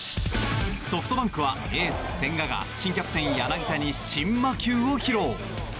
ソフトバンクはエース、千賀が新キャプテン柳田に新魔球を披露。